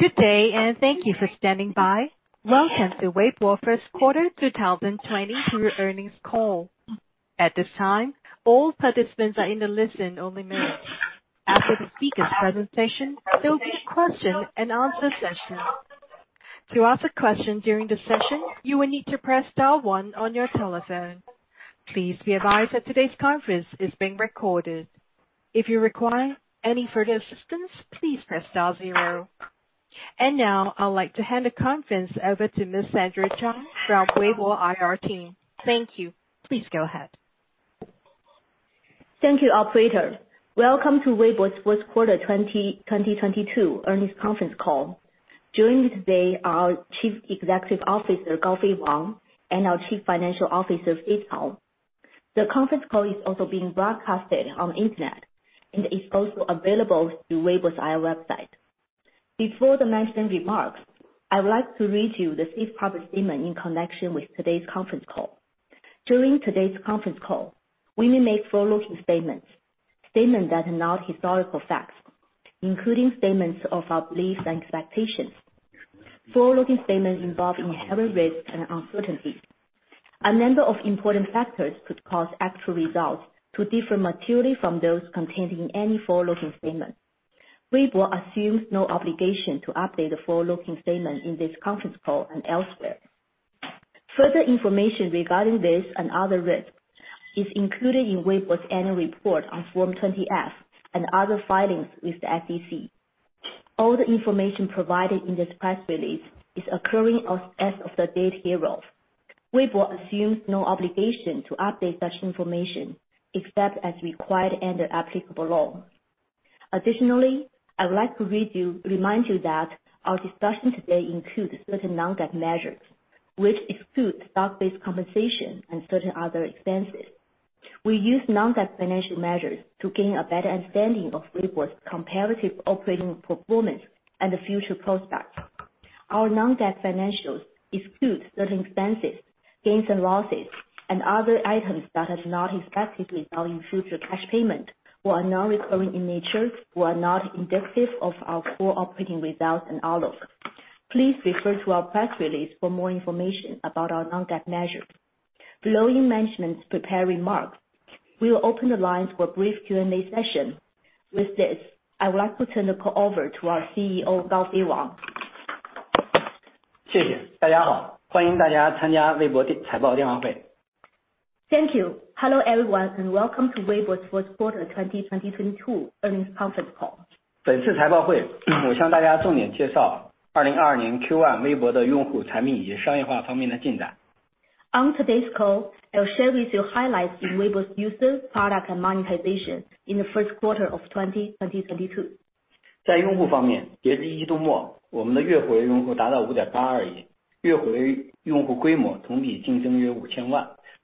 Good day, and thank you for standing by. Welcome to Weibo First Quarter 2022 Earnings Call. At this time, all participants are in a listen-only mode. After the speakers' presentation, there will be a question-and-answer session. To ask a question during the session, you will need to press star one on your telephone. Please be advised that today's conference is being recorded. If you require any further assistance, please press star zero. Now, I would like to hand the conference over to Ms. Sandra Zhang from Weibo IR team. Thank you. Please go ahead. Thank you, operator. Welcome to Weibo's First Quarter 2022 Earnings Conference Call. Joining me today are our Chief Executive Officer, Gaofei Wang, and our Chief Financial Officer, Fei Cao. The conference call is also being broadcasted on the Internet and is also available through Weibo's IR website. Before the mentioned remarks, I would like to read you the safe harbor statement in connection with today's conference call. During today's conference call, we may make forward-looking statements that are not historical facts, including statements of our beliefs and expectations. Forward-looking statements involve inherent risks and uncertainties. A number of important factors could cause actual results to differ materially from those contained in any forward-looking statement. Weibo assumes no obligation to update the forward-looking statements in this conference call and elsewhere. Further information regarding this and other risks is included in Weibo's annual report on Form 20-F and other filings with the SEC. All the information provided in this press release is current as of the date hereof. Weibo assumes no obligation to update such information, except as required under applicable law. Additionally, I would like to remind you that our discussion today includes certain non-GAAP measures, which exclude stock-based compensation and certain other expenses. We use non-GAAP financial measures to gain a better understanding of Weibo's comparative operating performance and the future prospects. Our non-GAAP financials exclude certain expenses, gains and losses, and other items that are not expected to result in future cash payment or are non-recurring in nature or are not indicative of our full operating results and outlook. Please refer to our press release for more information about our non-GAAP measures. Following management's prepared remarks, we will open the lines for a brief Q&A session. With this, I would like to turn the call over to our CEO, Gaofei Wang. Thank you. Hello, everyone, and welcome to Weibo's First Quarter 2022 Earnings Conference Call. On today's call, I'll share with you highlights in Weibo's user, product and monetization in the first quarter of 2022.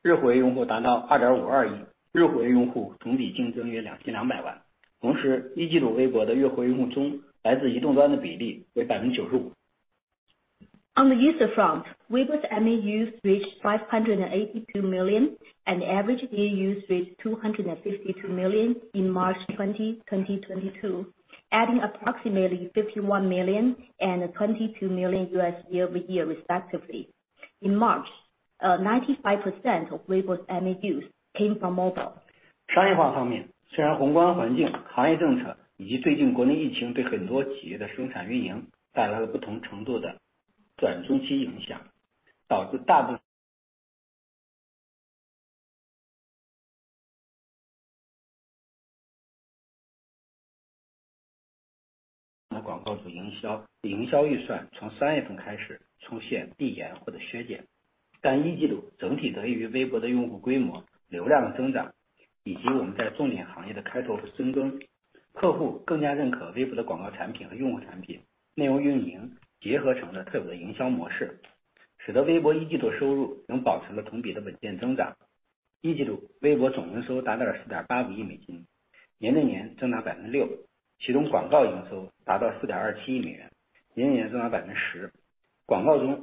On the user front, Weibo's MAUs reached 582 million and average DAUs reached 252 million in March 2022, adding approximately 51 million and 22 million users year-over-year respectively. In March, 95% of Weibo's MAUs came from mobile. On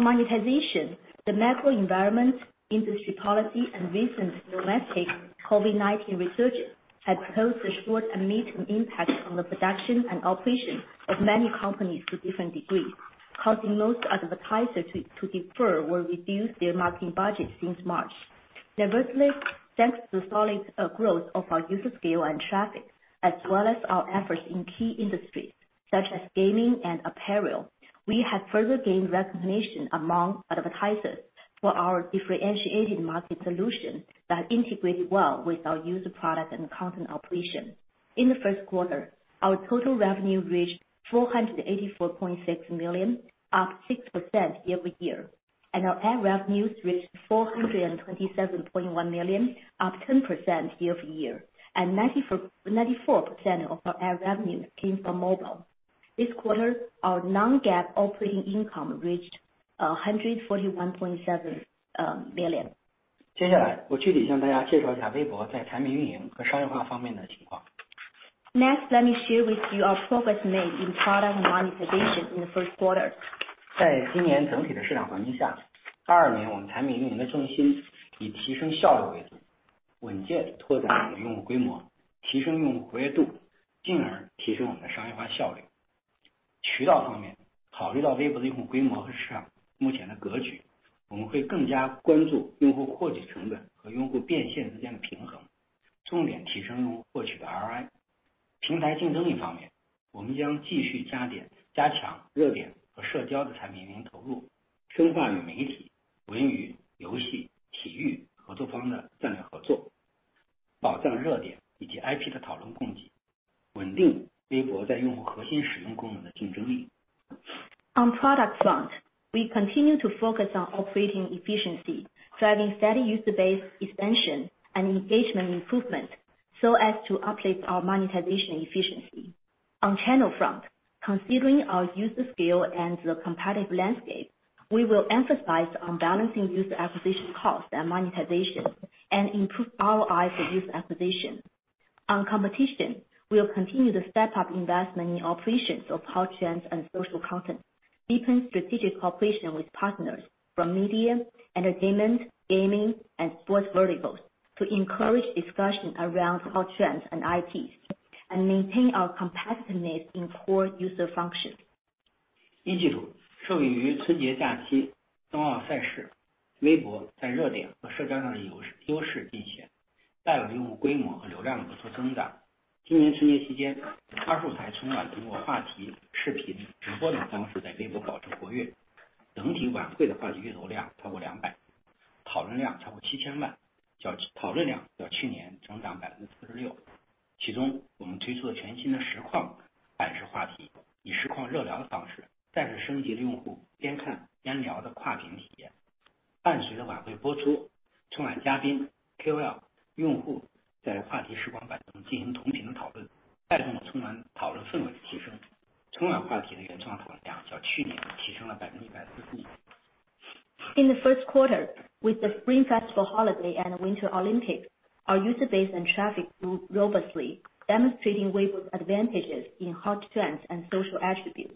monetization, the macro environment, industry policy and recent domestic COVID-19 resurgence had posed a short and medium impact on the production and operation of many companies to different degrees, causing most advertisers to defer or reduce their marketing budget since March. Nevertheless, thanks to the solid growth of our user scale and traffic, as well as our efforts in key industries such as gaming and apparel, we have further gained recognition among advertisers for our differentiated market solution that integrate well with our user product and content operation. In the first quarter, our total revenue reached $484.6 million, up 6% year-over-year, and our ad revenues reached $427.1 million, up 10% year-over-year. Ninety-four percent of our ad revenues came from mobile. This quarter, our non-GAAP operating income reached $141.7 million. Next, let me share with you our progress made in product monetization in the first quarter. On product front, we continue to focus on operating efficiency, driving steady user base expansion and engagement improvement so as to uplift our monetization efficiency. On channel front, considering our user scale and the competitive landscape, we will emphasize on balancing user acquisition costs and monetization, and improve ROI for user acquisition. On competition, we will continue to step up investment in operations of hot trends and social content, deepen strategic cooperation with partners from media, entertainment, gaming and sports verticals to encourage discussion around hot trends and IPs, and maintain our competitiveness in core user functions. 一季度受益于春节假期冬奥赛事，微博在热点和社交上有优势体现，带动用户规模和流量的快速增长。今年春节期间，各大卫视春晚通过话题、视频、直播等方式在微博保持活跃。整体晚会的话题阅读量超过两百亿，讨论量超过七千万，讨论量较去年成长46%。其中我们推出的全新的实况版式话题，以实况热聊的方式再次升级了用户边看边聊的跨屏体验。伴随着晚会播出，春晚嘉宾、KOL、用户在话题时光板中进行同屏的讨论，带动了春晚讨论氛围的提升。春晚话题的原创讨论量较去年提升了141%。In the first quarter with the Spring Festival holiday and Winter Olympics, our user base and traffic grew robustly, demonstrating Weibo's advantages in hot trends and social attributes.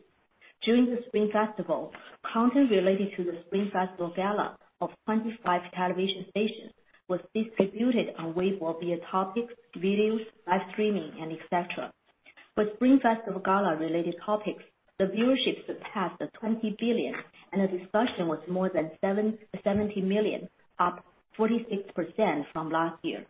During the Spring Festival, content related to the Spring Festival Gala of 25 television stations was distributed on Weibo via topics, videos, live streaming and etc. With Spring Festival Gala related topics, the viewership surpassed 20 billion and the discussion was more than 770 million, up 46% from last year.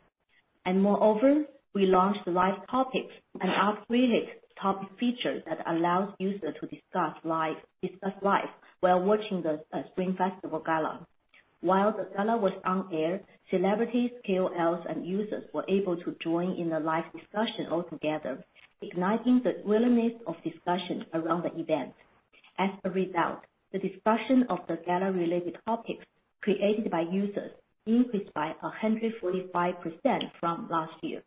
Moreover, we launched the live topics, an upgraded topic feature that allows users to discuss live while watching the Spring Festival Gala. While the Gala was on air, celebrities, KOLs, and users were able to join in the live discussion altogether, igniting the willingness of discussion around the event. As a result, the discussion of the Gala related topics created by users increased by 145% from last year.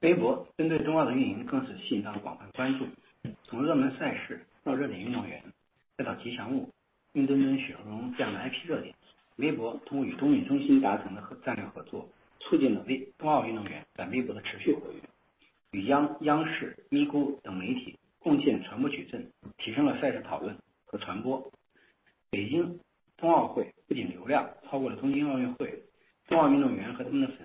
微博针对冬奥的运营更是吸引了广泛关注。从热门赛事到热点运动员，再到吉祥物冰墩墩、雪容融这样的IP热点。微博通过与冬运中心达成的战略合作，促进了冬奥运动员在微博的持续活跃，与央视、咪咕等媒体贡献传播矩阵，提升了赛事讨论和传播。北京冬奥会不仅流量超过了东京奥运会，冬奥运动员和他们的粉丝在微博也更加活跃，互动性更好。往年的数据显示，春节后，随着开学的复工，用户的规模和流量会迅速回落。但三月以来，由于社会热点事件以及我们在渠道优化、热点和社交运营上提升效率，我们的用户和流量依旧保持了较好的趋势。Furthermore,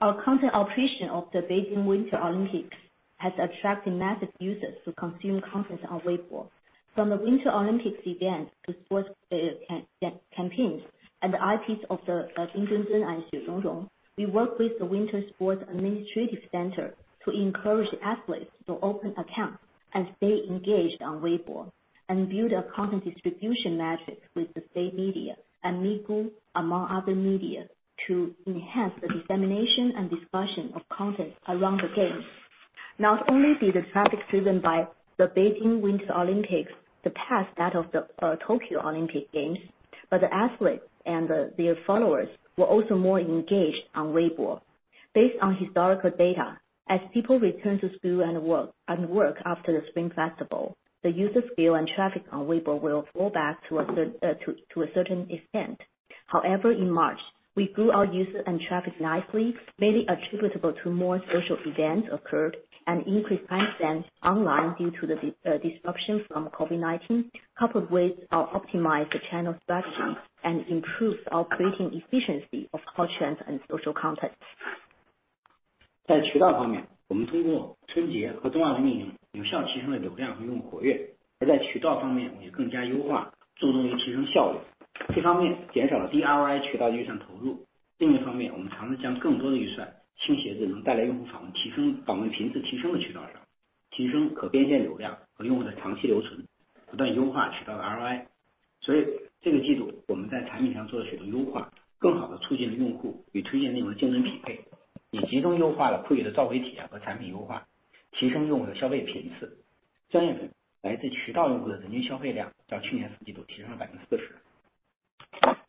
our content operation of the Beijing Winter Olympics has attracted massive users to consume content on Weibo. From the Winter Olympics event to sports, campaigns and the IPs of the Bing Dwen Dwen and Xue Rong Rong. We worked with the Winter Sports Administrative Center to encourage athletes to open accounts and stay engaged on Weibo, and build a content distribution matrix with the state media and Migu, among other media, to enhance the dissemination and discussion of content around the Games. Not only did the traffic driven by the Beijing Winter Olympics surpass that of the Tokyo Olympic Games, but the athletes and their followers were also more engaged on Weibo. Based on historical data, as people return to school and work after the Spring Festival, the user scale and traffic on Weibo will fall back to a certain extent. However, in March, we grew our users and traffic nicely, mainly attributable to more social events occurred and increased time spent online due to the disruption from COVID-19, coupled with our optimized channel strategy and improved operating efficiency of hot trends and social content. 在渠道方面，我们通过春节和冬奥的运营，有效提升了流量和用户活跃，而在渠道方面也更加优化，注重于提升效率。一方面减少了低ROI渠道的预算投入。另一方面，我们尝试将更多的预算倾斜至能带来用户访问提升、访问频次提升的渠道上，提升可变现流量和用户的长期留存，不断优化渠道的ROI。所以这个季度我们在产品上做了许多优化，更好地促进了用户与推荐内容的精准匹配，以集中优化了push的召回体验和产品优化，提升用户的消费频次。三月，来自渠道用户的平均消费量较去年四季度提升了40%。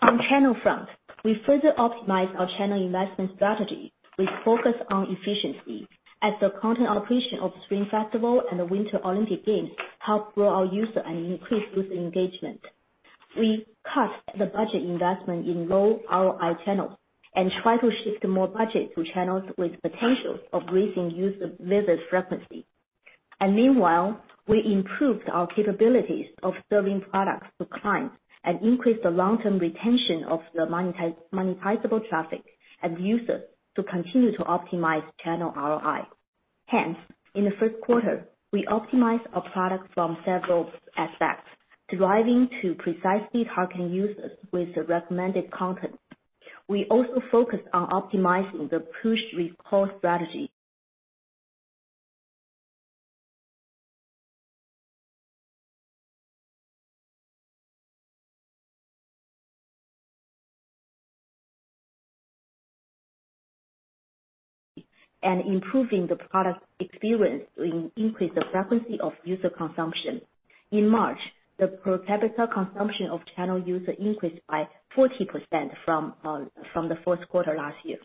On channel front, we further optimize our channel investment strategy with focus on efficiency as the content operation of Spring Festival and Winter Olympic Games help grow our user and increase user engagement. We cut the budget investment in low ROI channels and try to shift more budget to channels with potential of raising user visit frequency. Meanwhile, we improved our capabilities of serving products to clients, and increased the long-term retention of the monetizable traffic and users to continue to optimize channel ROI. Hence, in the first quarter, we optimized our products from several aspects, driving to precisely targeting users with the recommended content. We also focused on optimizing the push recall strategy. Improving the product experience will increase the frequency of user consumption. In March, the per capita consumption of channel users increased by 40% from the fourth quarter last year.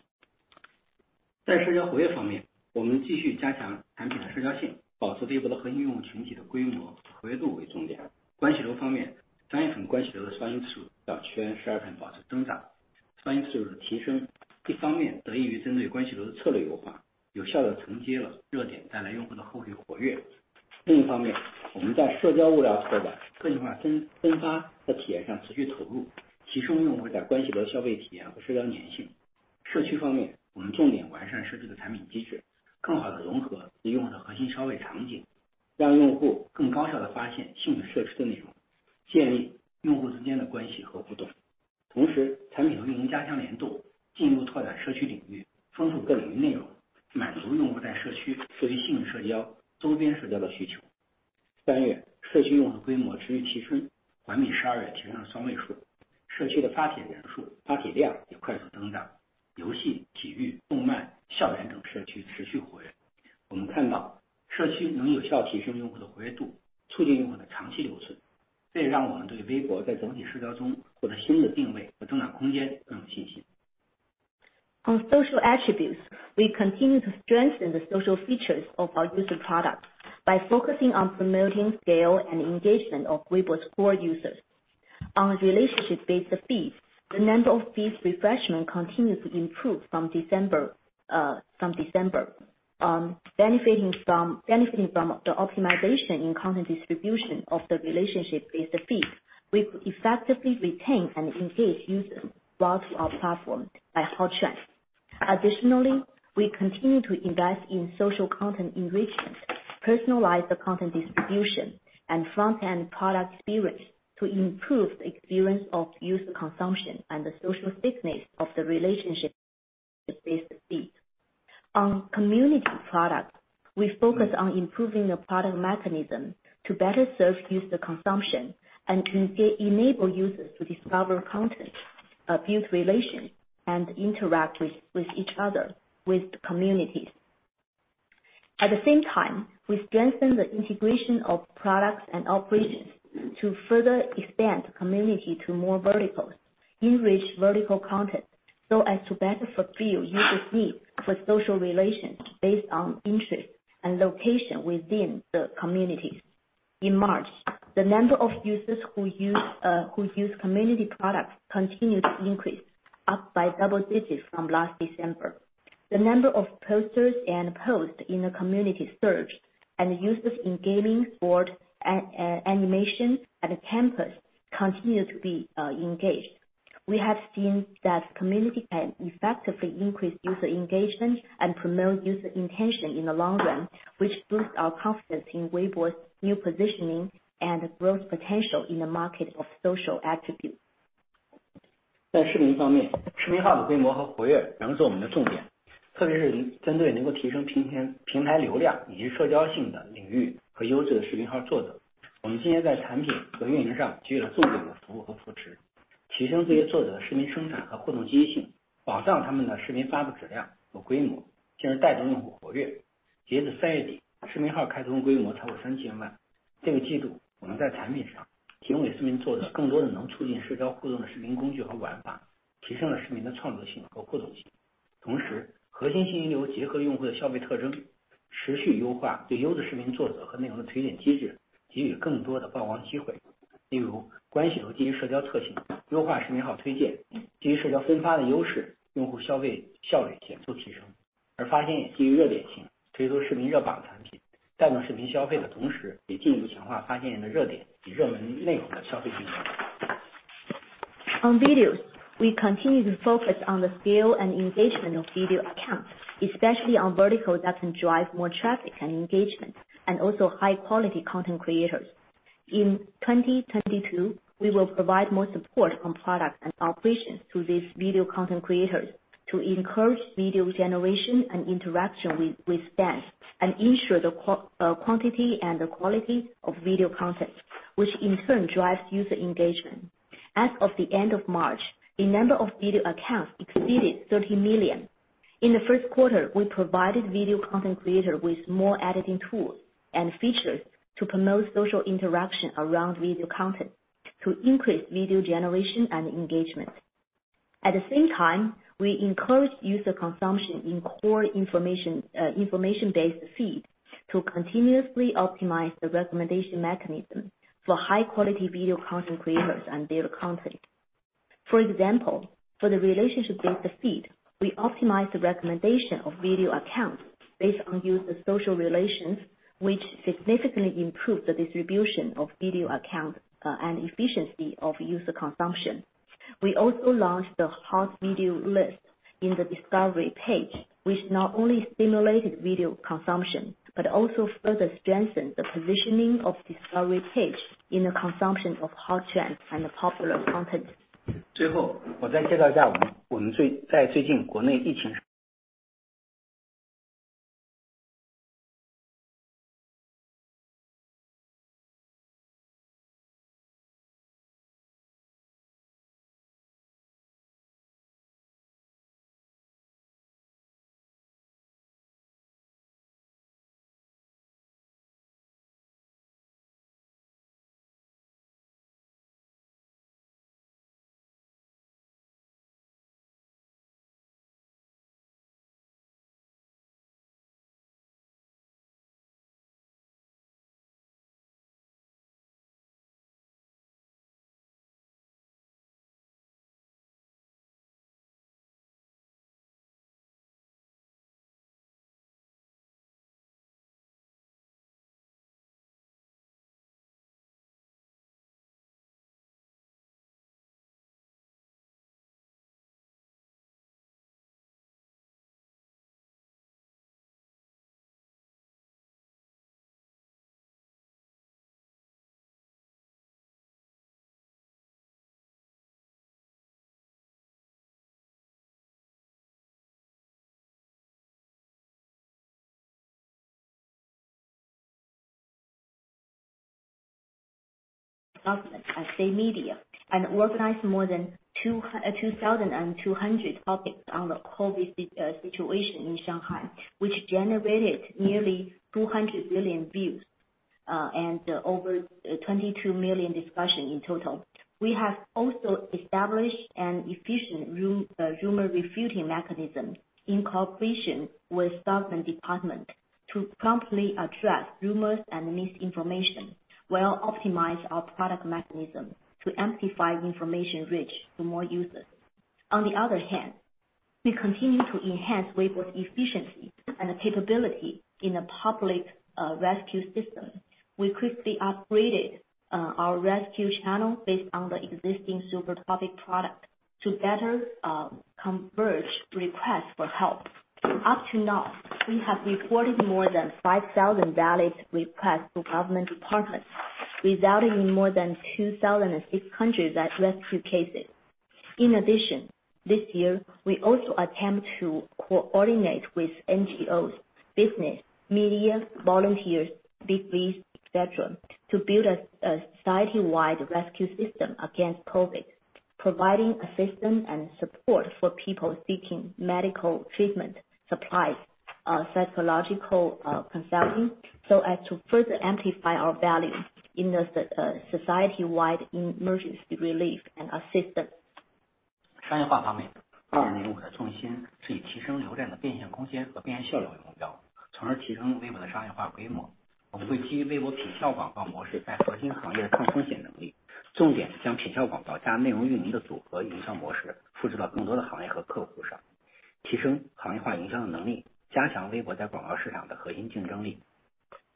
On social attributes, we continue to strengthen the social features of our user product by focusing on promoting scale and engagement of Weibo's core users. On relationship-based feeds, the number of feeds refreshment continues to improve from December. Benefiting from the optimization in content distribution of the relationship-based feeds, we effectively retain and engage users back to our platform by hot trends. Additionally, we continue to invest in social content enrichment, personalize the content distribution, and front-end product experience to improve the experience of user consumption and the social thickness of the relationship-based feeds. On community product, we focus on improving the product mechanism to better serve user consumption and to enable users to discover content, build relations, and interact with each other, with the communities. At the same time, we strengthen the integration of products and operations to further expand community to more verticals, enrich vertical content, so as to better fulfill users' needs for social relations based on interest and location within the communities. In March, the number of users who use community products continued to increase, up by double digits from last December. The number of posters and posts in the community surged, and users in gaming, sport, animation, and campus continued to be engaged. We have seen that community can effectively increase user engagement and promote user intention in the long run, which boosts our confidence in Weibo's new positioning and growth potential in the market of social attributes. On videos, we continue to focus on the scale and engagement of Video Accounts, especially on verticals that can drive more traffic and engagement, and also high-quality content creators. In 2022, we will provide more support on product and operations to these video content creators to encourage video generation and interaction with fans, and ensure the quantity and the quality of video content, which in turn drives user engagement. As of the end of March, the number of Video Accounts exceeded 30 million. In the first quarter, we provided video content creators with more editing tools and features to promote social interaction around video content to increase video generation and engagement. At the same time, we encourage user consumption in core information-based feed to continuously optimize the recommendation mechanism for high-quality video content creators and their content. For example, for the relationship-based feed, we optimize the recommendation of Video Accounts based on user social relations, which significantly improve the distribution of video account and efficiency of user consumption. We also launched the Hot Video list in the discovery page, which not only stimulated video consumption, but also further strengthen the positioning of discovery page in the consumption of hot trends and popular content.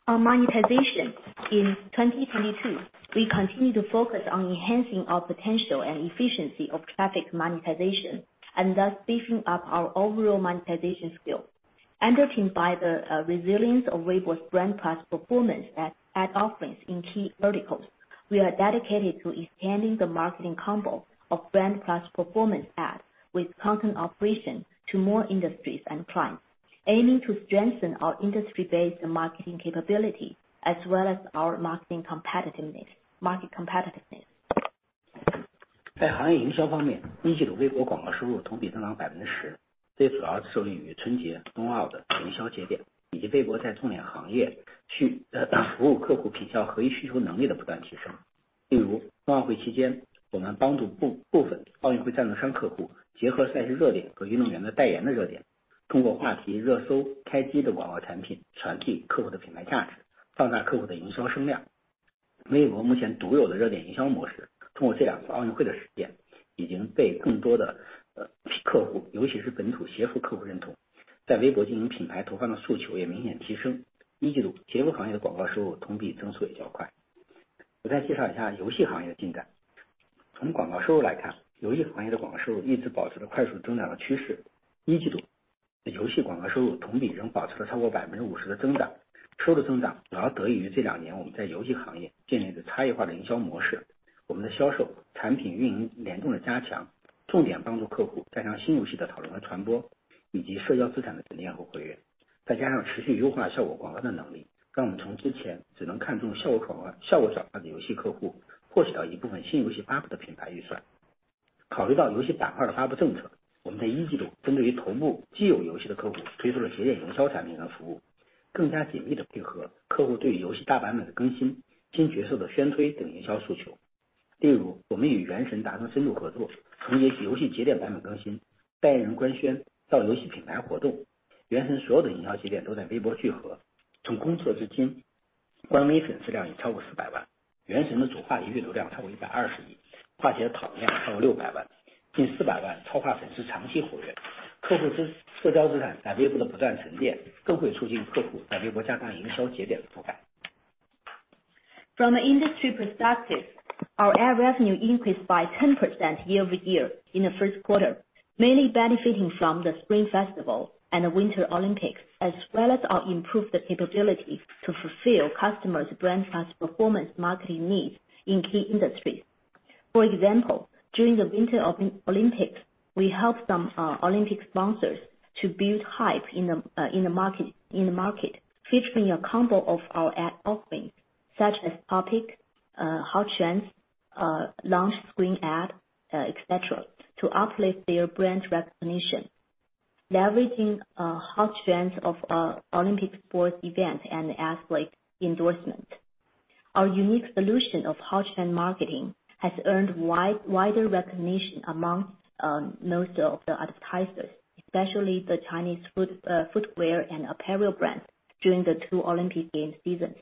On monetization, in 2022, we continue to focus on enhancing our potential and efficiency of traffic monetization and thus beefing up our overall monetization skill. Underpinned by the resilience of Weibo's brand plus performance ad offerings in key verticals. We are dedicated to expanding the marketing combo of brand plus performance ads with content operations to more industries and clients, aiming to strengthen our industry-based marketing capability as well as our marketing competitiveness. From an industry perspective, our ad revenue increased by 10% year-over-year in the first quarter, mainly benefiting from the Spring Festival and Winter Olympics, as well as our improved capability to fulfill customers brand first performance marketing needs in key industries. For example, during the Winter Olympics, we helped some Olympic sponsors to build hype in the market, featuring a combo of our ad offering such as topic, hot trends, launch screen ad, etc., to uplift their brand recognition. Leveraging hot trends of Olympic sports event and athlete endorsement. Our unique solution of hot trend marketing has earned wider recognition amongst most of the advertisers, especially the Chinese footwear and apparel brands during the two Olympic Games seasons.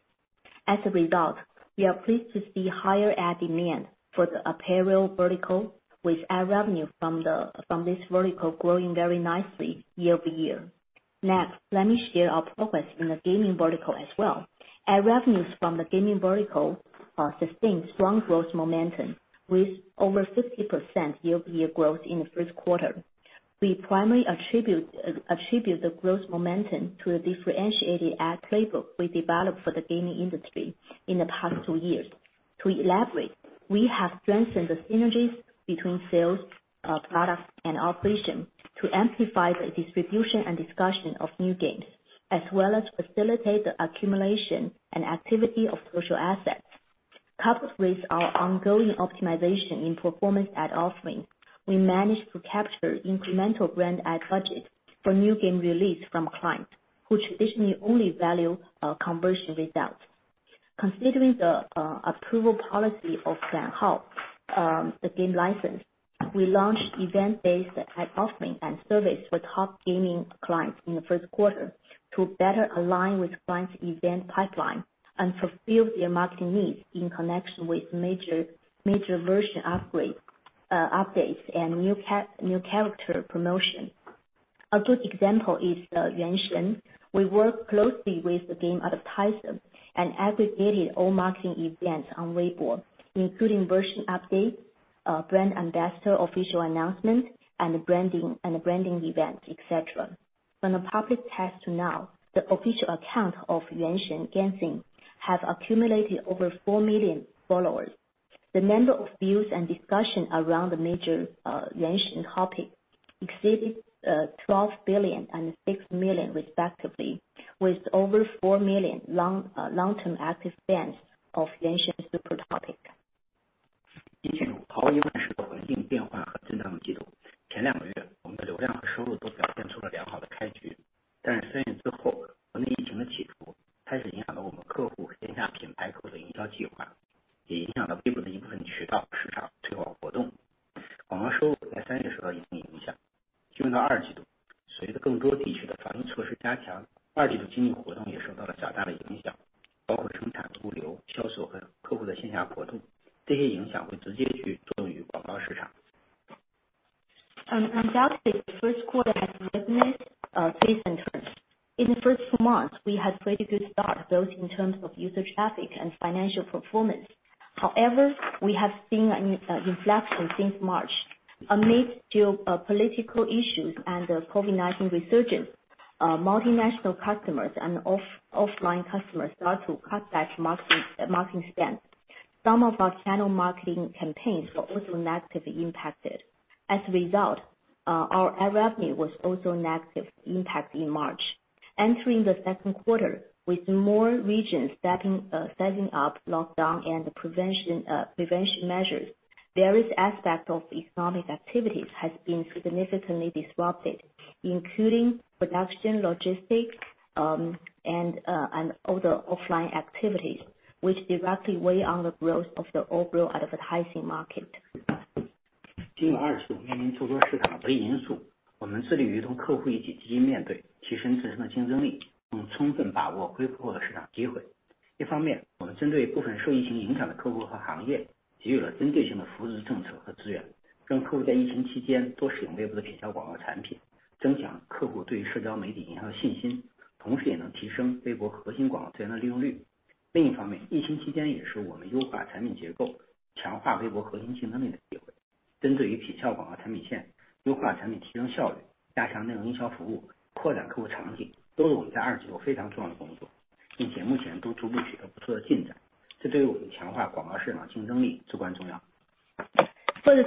As a result, we are pleased to see higher ad demand for the apparel vertical with ad revenue from this vertical growing very nicely year-over-year. Next, let me share our progress in the gaming vertical as well. Ad revenues from the gaming vertical sustained strong growth momentum with over 50% year-over-year growth in the first quarter. We primarily attribute the growth momentum to a differentiated ad playbook we developed for the gaming industry in the past two years. To elaborate, we have strengthened the synergies between sales, product and operation to amplify the distribution and discussion of new games, as well as facilitate the accumulation and activity of social assets. Coupled with our ongoing optimization in performance ad offering, we managed to capture incremental brand ad budget for new game release from a client who traditionally only value conversion results. Considering the approval policy of the game license, we launched event based ad offering and service with top gaming clients in the first quarter to better align with client event pipeline and fulfill their marketing needs in connection with major version upgrade updates and new character promotion. A good example is the Genshin Impact. We worked closely with the game advertiser and aggregated all marketing events on Weibo, including version updates, brand ambassador official announcement, and branding events, etc. From the public test to now, the official account of Genshin Impact has accumulated over four million followers. The number of views and discussion around the major Genshin Impact topic exceeded 12 billion and 6 million respectively, with over four million long-term active fans of Genshin Impact Super Topic. 进入二季度，随着国内疫情变化和政策的调整，前两个月我们的流量和收入都表现出了良好的开局。但是三月之后，国内疫情的起伏开始影响到我们客户线下品牌活动的营销计划，也影响到微博的一部分渠道、市场推广活动。广告收入在三月受到一定影响。进入到二季度，随着更多地区的防疫措施加强，二季度的经济活动也受到了较大的影响，包括生产、物流、销售和客户的线下活动，这些影响会直接去作用于广告市场。Undoubtedly, the first quarter has witnessed a pace in terms. In the first two months, we had pretty good start, both in terms of user traffic and financial performance. However, we have seen an inflection since March. Amidst geopolitical issues and the COVID-19 resurgence, multinational customers and offline customers start to cut back marketing spend. Some of our channel marketing campaigns were also negatively impacted. As a result, our ad revenue was also negatively impacted in March. Entering the second quarter with more regions setting up lockdown and prevention measures, various aspects of economic activities have been significantly disrupted, including production, logistics, and other offline activities, which directly weigh on the growth of the overall advertising market. For the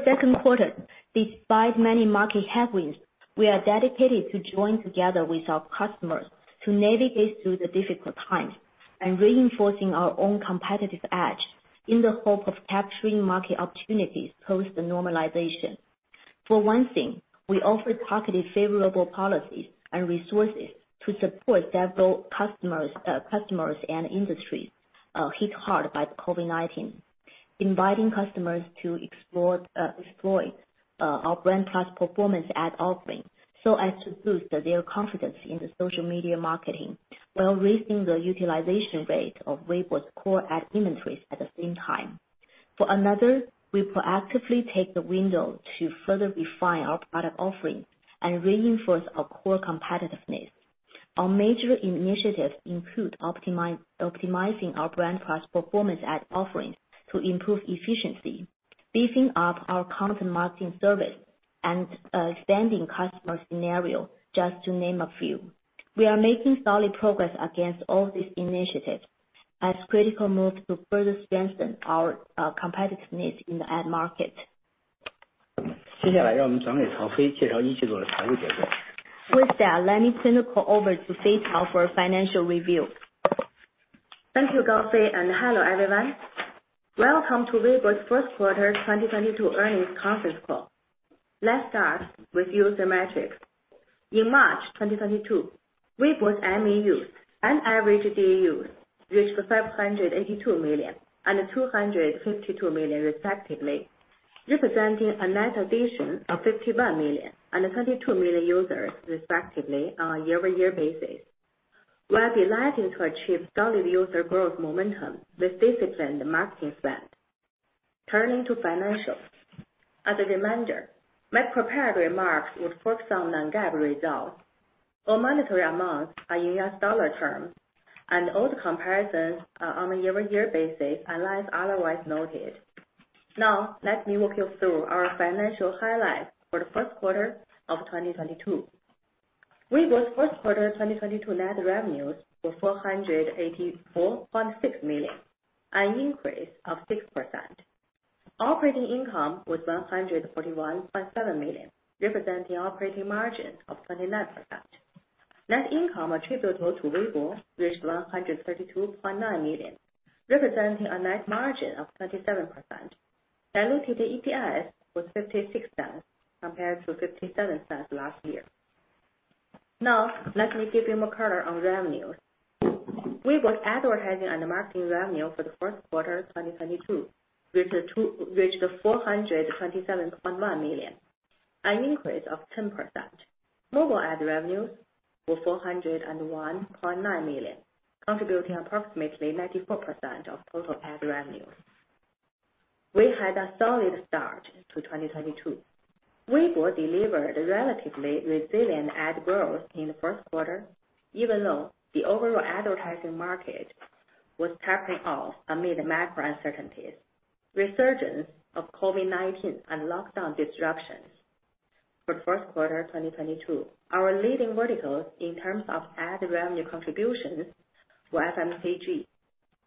second quarter, despite many market headwinds, we are dedicated to join together with our customers to navigate through the difficult times, and reinforcing our own competitive edge in the hope of capturing market opportunities post the normalization. For one thing, we offer targeted favorable policies and resources to support several customers and industries hit hard by the COVID-19, inviting customers to explore our brand plus performance ad offering so as to boost their confidence in the social media marketing, while raising the utilization rate of Weibo's core ad inventories at the same time. For another, we proactively take the window to further refine our product offering and reinforce our core competitiveness. Our major initiatives include optimizing our brand plus performance ad offerings to improve efficiency, beefing up our content marketing service, and expanding customer scenario, just to name a few. We are making solid progress against all these initiatives as a critical move to further strengthen our competitiveness in the ad market. With that, let's turn the call over to Fei Cao for financial review. Thank you, Gaofei, and hello, everyone. Welcome to Weibo's first quarter 2022 earnings conference call. Let's start with user metrics. In March 2022, Weibo's MAUs and average DAUs reached 582 million and 252 million respectively, representing a net addition of 51 million and 32 million users respectively on a year-over-year basis. We are delighted to achieve solid user growth momentum with disciplined marketing spend. Turning to financials. As a reminder, my prepared remarks will focus on non-GAAP results. All monetary amounts are in US dollar terms, and all the comparisons are on a year-on-year basis, unless otherwise noted. Now, let me walk you through our financial highlights for the first quarter of 2022. Weibo's first quarter 2022 net revenues were $484.6 million, an increase of 6%. Operating income was $141.7 million, representing operating margin of 29%. Net income attributable to Weibo reached $132.9 million, representing a net margin of 27%. Diluted EPS was $0.56 compared to $0.57 last year. Now, let me give you more color on revenues. Weibo's advertising and marketing revenue for the first quarter 2022 reached $427.1 million, an increase of 10%. Mobile ad revenues were $401.9 million, contributing approximately 94% of total ad revenues. We had a solid start to 2022. Weibo delivered a relatively resilient ad growth in the first quarter, even though the overall advertising market was tapering off amid macro uncertainties, resurgence of COVID-19, and lockdown disruptions for the first quarter 2022. Our leading verticals in terms of ad revenue contributions were FMCG,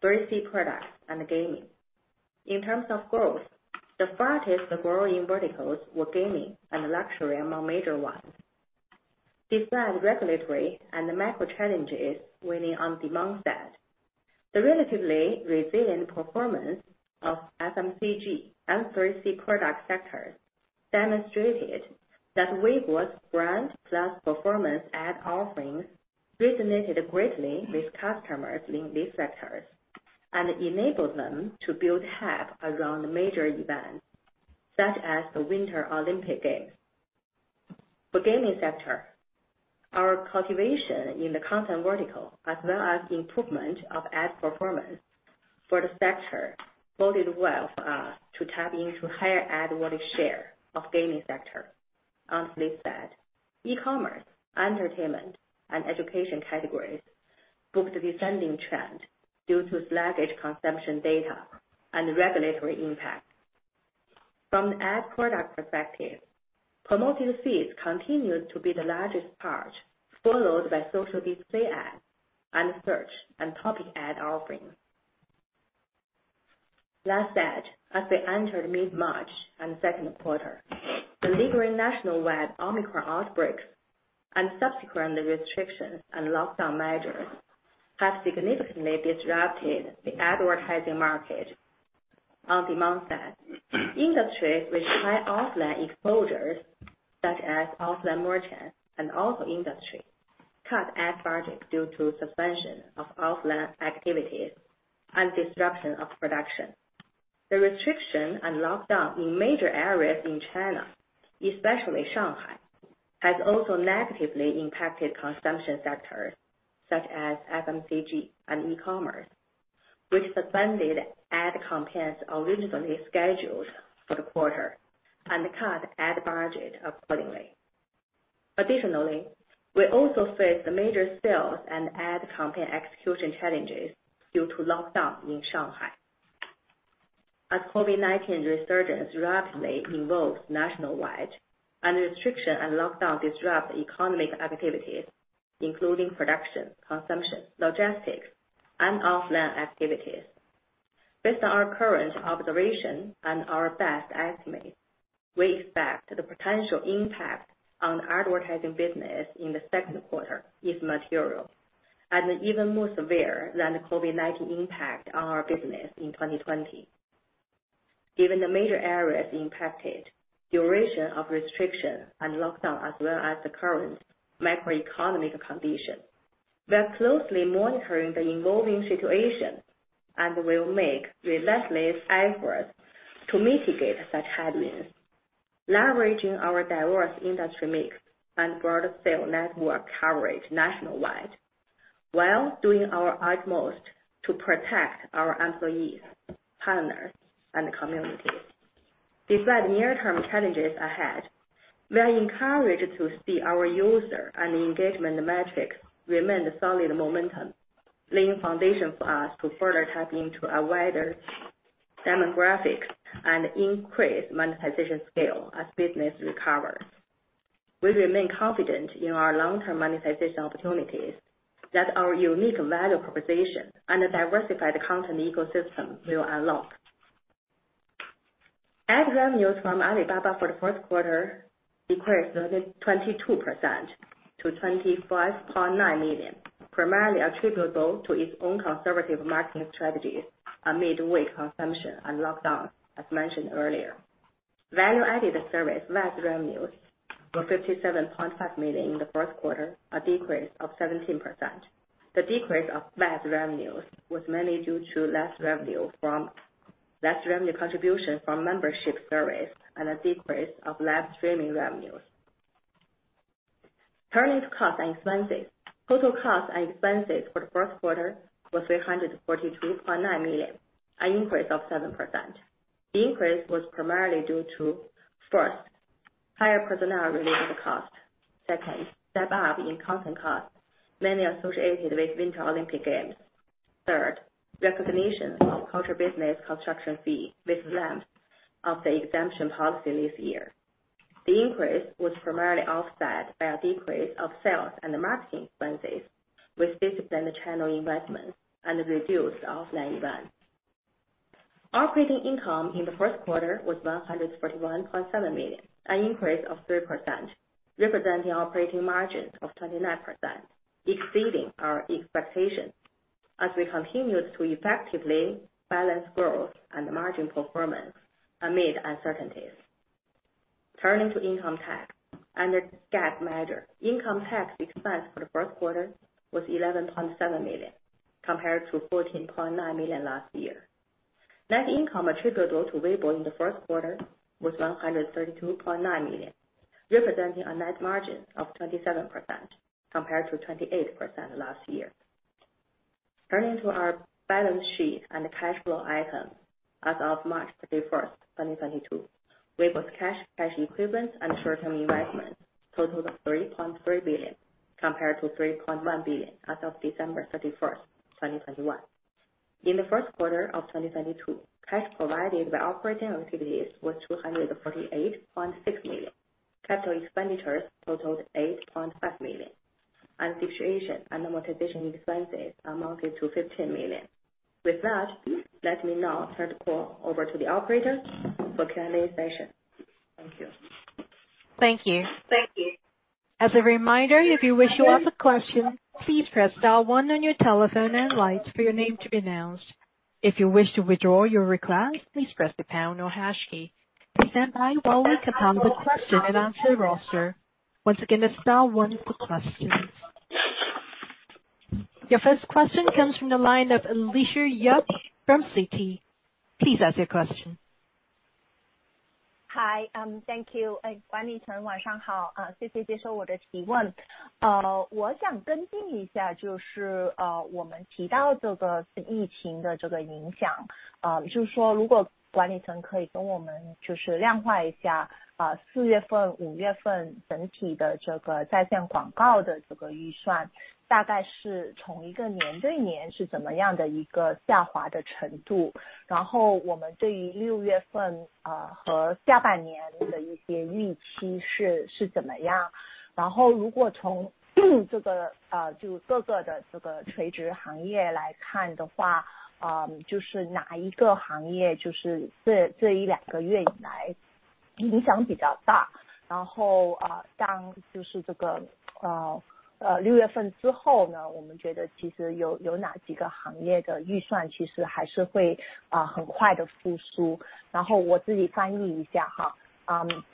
3C products, and gaming. In terms of growth, the fastest-growing verticals were gaming and luxury among major ones. Despite regulatory and the macro challenges weighing on demand side, the relatively resilient performance of FMCG and 3C product sectors demonstrated that Weibo's brand plus performance ad offerings resonated greatly with customers in these sectors, and enabled them to build hype around major events, such as the Winter Olympic Games. For gaming sector, our cultivation in the content vertical as well as improvement of ad performance for the sector boded well for us to tap into higher ad wallet share of gaming sector on this side. E-commerce, entertainment, and education categories booked a descending trend due to sluggish consumption data and regulatory impact. From ad product perspective, promoted feed continued to be the largest part, followed by social display ad, and search, and topic ad offering. Last but, as we entered mid-March and second quarter, the lingering nationwide Omicron outbreaks and subsequent restrictions and lockdown measures have significantly disrupted the advertising market. On demand side, industries with high offline exposures such as offline merchants and auto industry cut ad budget due to suspension of offline activities and disruption of production. The restriction and lockdown in major areas in China, especially Shanghai, has also negatively impacted consumption sectors such as FMCG and e-commerce, which suspended ad campaigns originally scheduled for the quarter and cut ad budget accordingly. Additionally, we also faced major sales and ad campaign execution challenges due to lockdown in Shanghai. As COVID-19 resurgence rapidly involves nationwide, and restriction and lockdown disrupt economic activities, including production, consumption, logistics, and offline activities. Based on our current observation and our best estimate, we expect the potential impact on advertising business in the second quarter is material and even more severe than the COVID-19 impact on our business in 2020. Given the major areas impacted, duration of restriction and lockdown as well as the current macroeconomic condition, we are closely monitoring the evolving situation and will make relentless efforts to mitigate such headwinds, leveraging our diverse industry mix and broad sales network coverage nationwide, while doing our utmost to protect our employees, partners, and community. Despite near-term challenges ahead, we are encouraged to see our user and engagement metrics remain solid momentum, laying foundation for us to further tap into a wider demographics and increase monetization scale as business recovers. We remain confident in our long-term monetization opportunities that our unique value proposition and a diversified content ecosystem will unlock. Ad revenues from Alibaba for the first quarter decreased 22% to $25.9 million, primarily attributable to its own conservative marketing strategies amid weak consumption and lockdowns, as mentioned earlier. Value-added service VAS revenues were $57.5 million in the first quarter, a decrease of 17%. The decrease of VAS revenues was mainly due to less revenue contribution from membership service and a decrease of live streaming revenues. Turning to costs and expenses. Total costs and expenses for the first quarter were $343.9 million, an increase of 7%. The increase was primarily due to, first, higher personnel-related costs. Second, step-up in content costs, mainly associated with Winter Olympic Games. Third, recognition of cultural business construction fee with the lapse of the exemption policy this year. The increase was primarily offset by a decrease of sales and marketing expenses with disciplined channel investments and reduced offline events. Operating income in the first quarter was $141.7 million, an increase of 3%, representing operating margin of 29%, exceeding our expectations as we continued to effectively balance growth and margin performance amid uncertainties. Turning to income tax. Under GAAP measure, income tax expense for the first quarter was $11.7 million, compared to $14.9 million last year. Net income attributable to Weibo in the first quarter was $132.9 million, representing a net margin of 27% compared to 28% last year. Turning to our balance sheet and cash flow item. As of March 31, 2022, Weibo's cash equivalents and short-term investments totaled $3.3 billion, compared to $3.1 billion as of December 31, 2021. In the first quarter of 2022, cash provided by operating activities was $248.6 million. Capital expenditures totaled $8.5 million. Amortization and amortization expenses amounted to $15 million. With that, let me now turn the call over to the operator for Q&A session. Thank you. Thank you. Thank you. As a reminder, if you wish to ask a question, please press star one on your telephone and wait for your name to be announced. If you wish to withdraw your request, please press the pound or hash key. Please stand by while we compile the question and answer roster. Once again, that's star one for questions. Your first question comes from the line of Alicia Yap from Citi. Please ask your question. Hi, thank you.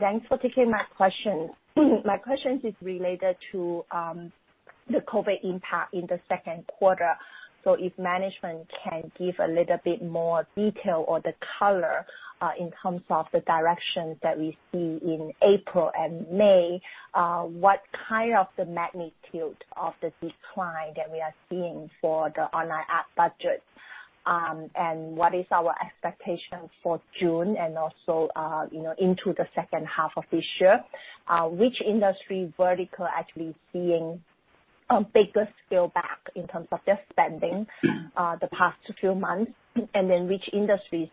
Thanks for taking my question. My question is related to the COVID impact in the second quarter. If management can give a little bit more detail or the color in terms of the direction that we see in April and May, what kind of the magnitude of the decline that we are seeing for the online ad budgets? And what is our expectation for June and also, you know, into the second half of this year? Which industry vertical actually seeing a bigger scale back in terms of their spending the past few months? And then which industries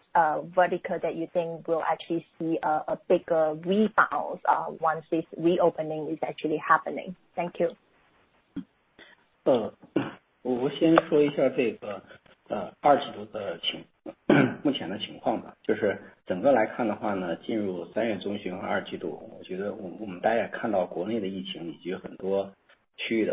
vertical that you think will actually see a bigger rebound once this reopening is actually happening? Thank you. 进入三月中旬和二季度，我们大家也看到国内的疫情，以及很多区域的防疫措施的加强，对整个我们客户的这种线下的营销活动都带来比较大的影响。那这些因素毫无疑问会影响到我们广告的需求端。Okay.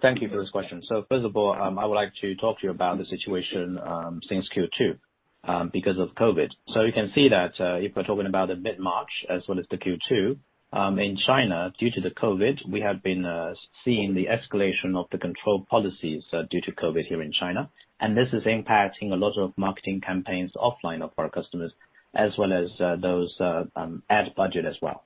Thank you for this question. First of all, I would like to talk to you about the situation since Q2 because of COVID. You can see that if we're talking about mid-March as well as the Q2 in China due to the COVID, we have been seeing the escalation of the control policies due to COVID here in China. This is impacting a lot of marketing campaigns offline of our customers as well as those ad budget as well.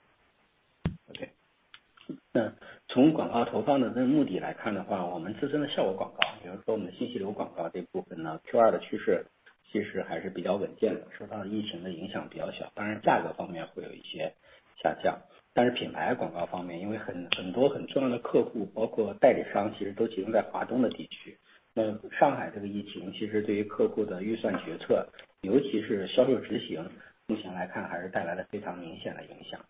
从广告投放的目的来看的话，我们自身的效果广告，比如说我们信息流广告这部分呢，Q2的趋势其实还是比较稳健的，受到的疫情的影响比较小，当然价格方面会有一些下降。但是品牌广告方面，因为很多很重要的客户，包括代理商其实都集中在华东的地区。那上海这个疫情其实对于客户的预算决策，尤其是销售执行，目前来看还是带来了非常明显的影响。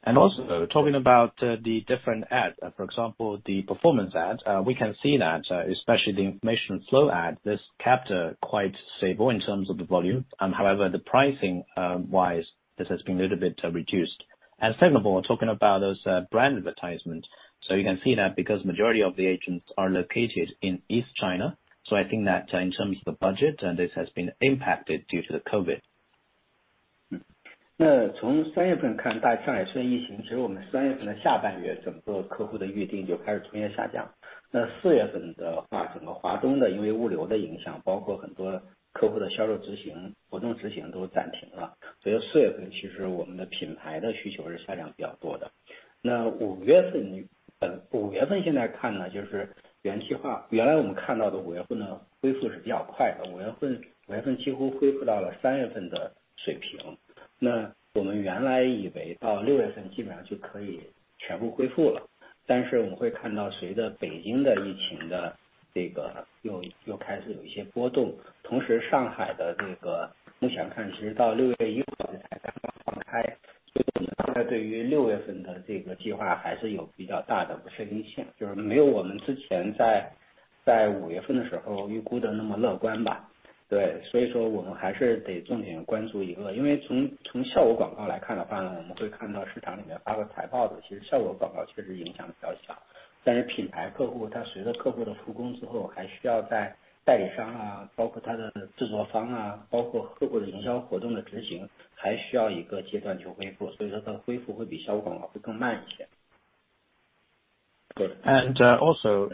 Also talking about the different ads, for example, the performance ads, we can see that especially the information flow ads, this capture quite stable in terms of the volume. However, pricing-wise this has been a little bit reduced. Second of all, talking about those brand advertisements, so you can see that because majority of the agents are located in East China. I think that in terms of the budget and this has been impacted due to the COVID. You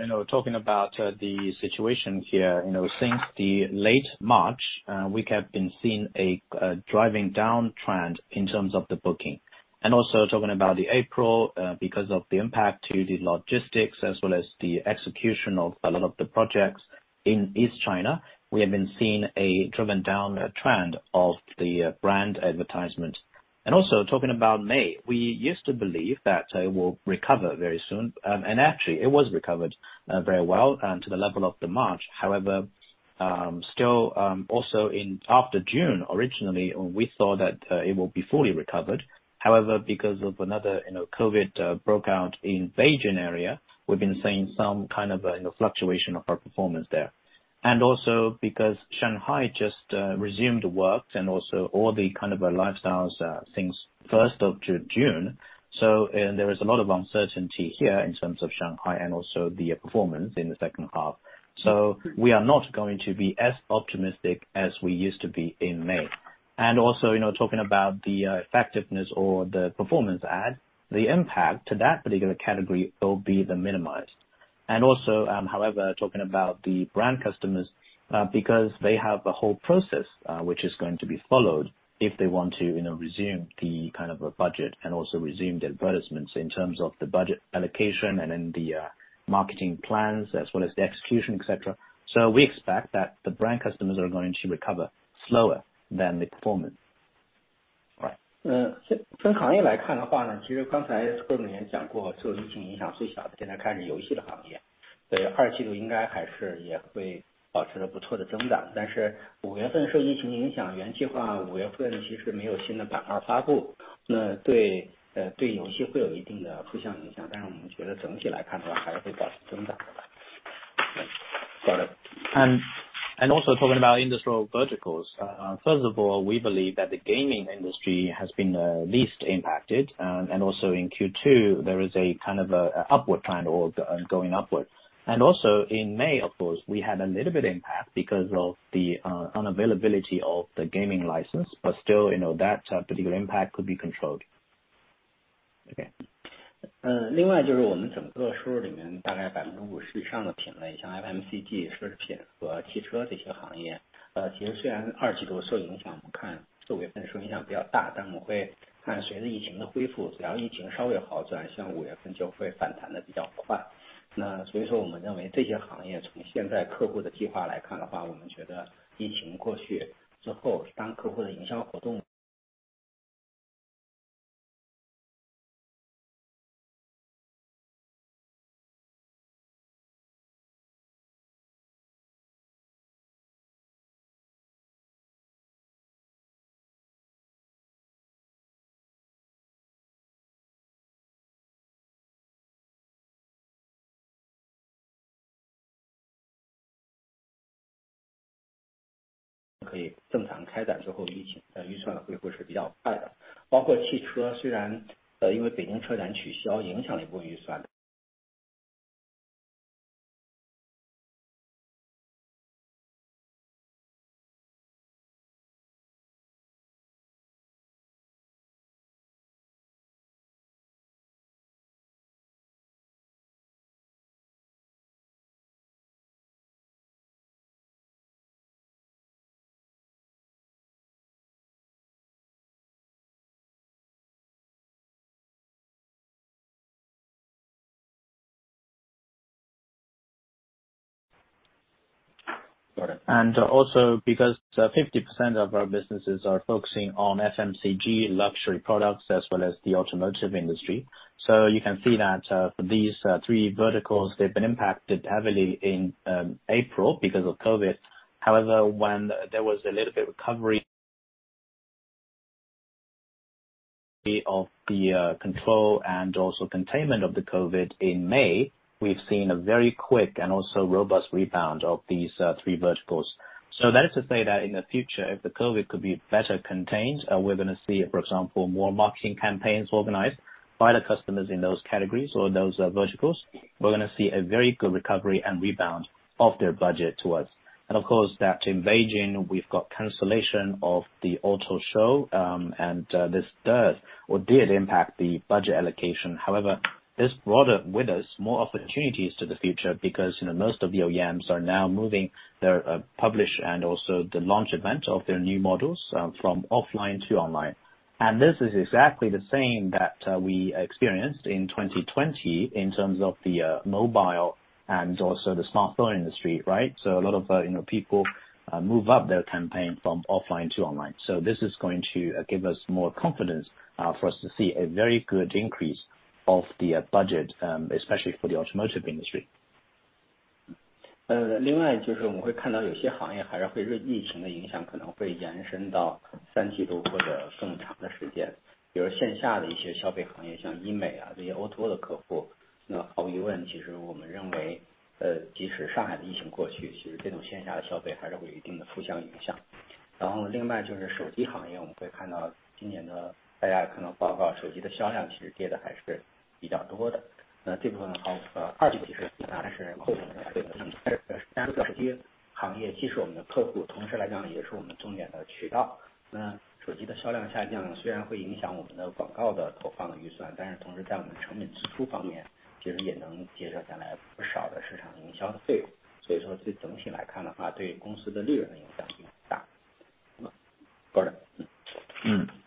know, talking about the situation here, you know, since late March, we have been seeing a driving down trend in terms of the booking. Talking about April, because of the impact to the logistics as well as the execution of a lot of the projects in East China, we have been seeing a driven down trend of the brand advertisement. Talking about May, we used to believe that it will recover very soon, and actually it was recovered very well to the level of March. However, still also in after June originally we thought that it will be fully recovered. However, because of another you know COVID broke out in Beijing area, we've been seeing some kind of fluctuation of our performance there. Because Shanghai just resumed works and also all the kind of lifestyles since first of June. There is a lot of uncertainty here in terms of Shanghai and also the performance in the second half. We are not going to be as optimistic as we used to be in May. You know, talking about the effectiveness or the performance ad, the impact to that particular category will be the minimized. Talking about the brand customers, because they have a whole process which is going to be followed if they want to you know resume the kind of budget and also resume their advertisements in terms of the budget allocation and then the marketing plans as well as the execution, etc. We expect that the brand customers are going to recover slower than the performance. 从行业来看的话，其实刚才Simon也讲过，受疫情影响最小的现在看是游戏行业，所以二季度应该还是也会保持着不错的增长。但是五月份受疫情影响，原计划五月份其实没有新的版号发布，那对游戏会有一定的负向影响，但是我们觉得整体来看的话还是会保持增长的。Got it. Also talking about industrial verticals. First of all, we believe that the gaming industry has been least impacted and also in Q2 there is a kind of upward trend or going upwards. Also in May, of course, we had a little bit impact because of the unavailability of the gaming license, but still you know that particular impact could be controlled. Also because 50% of our businesses are focusing on FMCG luxury products as well as the automotive industry. You can see that these three verticals, they've been impacted heavily in April because of COVID. However, when there was a little bit recovery of the control and also containment of the COVID in May, we've seen a very quick and also robust rebound of these three verticals. That is to say that in the future, if the COVID could be better contained, we're going to see, for example, more marketing campaigns organized by the customers in those categories or those verticals. We're going to see a very good recovery and rebound of their budget to us. Of course, that in Beijing, we've got cancellation of the auto show, and this does or did impact the budget allocation. However, this brought with us more opportunities to the future because you know, most of the OEMs are now moving their publish and also the launch event of their new models from offline to online. This is exactly the same that we experienced in 2020 in terms of the mobile and also the smartphone industry, right? A lot of, you know, people move up their campaign from offline to online. This is going to give us more confidence for us to see a very good increase of the budget, especially for the automotive industry.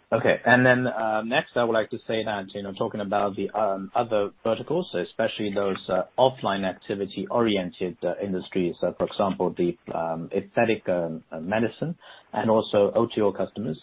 Okay. I would like to say that, you know, talking about the other verticals, especially those offline activity oriented industries, for example, the aesthetic medicine and also O2O customers,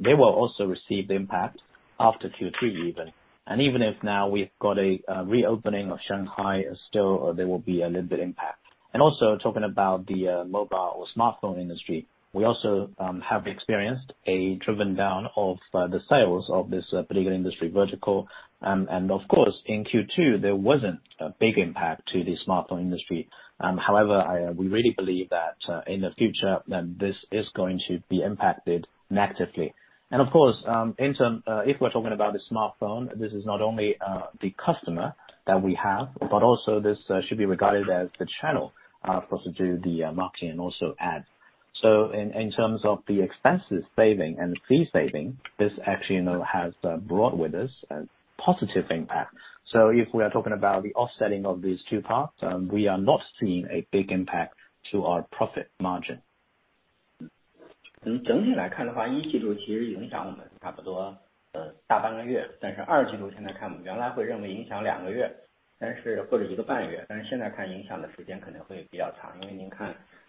they will also receive the impact after Q3 even. Even if now we've got a reopening of Shanghai, still there will be a little bit impact. Also talking about the mobile or smartphone industry, we also have experienced a driven down of the sales of this particular industry vertical. Of course, in Q2, there wasn't a big impact to the smartphone industry. However, we really believe that in the future this is going to be impacted negatively. Of course, if we're talking about the smartphone, this is not only the customer that we have, but also this should be regarded as the channel for us to do the marketing and also ads. In terms of the expenses saving and fee saving, this actually has brought with us a positive impact. If we are talking about the offsetting of these two parts, we are not seeing a big impact to our profit margin.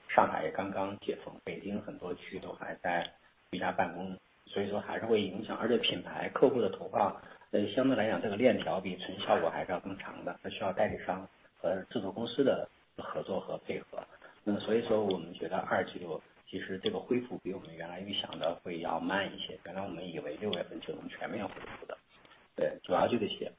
从整体来看的话，一季度其实影响我们差不多大半个月，但是二季度现在看，我们原来会认为影响两个月，或者一个半月，但是现在看影响的时间可能会比较长，因为您看上海刚刚解封，北京很多区都还在居家办公，所以说还是会影响。而且品牌客户的投放，相对来讲这个链条比纯效果还是要更长的，它需要代理商和制作公司的合作和配合。所以说我们觉得二季度其实这个恢复比我们原来预想的会要慢一些，原来我们以为六月份就能全面恢复的。对，主要就这些。